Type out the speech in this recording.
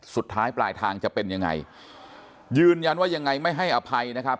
สุดท้ายปลายทางจะเป็นยังไงยืนยันว่ายังไงไม่ให้อภัยนะครับ